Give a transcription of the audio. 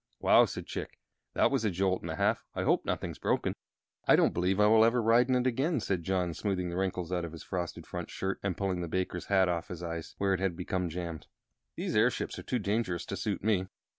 "Wow!" said Chick. "That was a jolt and a half! I hope nothing's broken." "I don't believe I will ever ride in it again," said John, smoothing the wrinkles out of his frosted shirt front and pulling the baker's hat off his eyes, where it had become jammed. "These air ships are too dangerous to suit me."